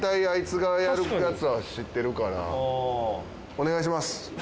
お願いします。